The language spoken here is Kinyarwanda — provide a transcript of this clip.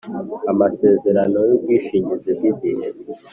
Amasezerano y ubwishingizi bw igihe